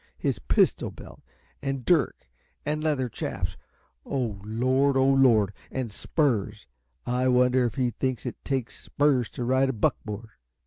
'His pistol belt and dirk and leathern chaps' oh, Lord; oh, Lord! And spurs! I wonder if he thinks it takes spurs to ride a buckboard?